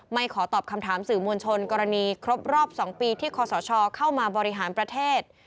ขอตอบคำถามสื่อมวลชนกรณีครบรอบ๒ปีที่คอสชเข้ามาบริหารประเทศ